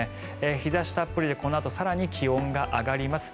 日差したっぷりでこのあと更に気温が上がります。